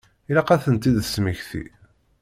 Ilaq ad tent-id-tesmekti.